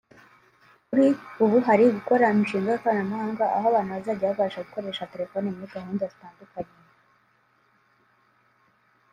Kuri ubu bari gukora umushinga w’ikoranabuhanga aho abantu bazajya babasha gukoresha telefoni muri gahunda zitandukanhye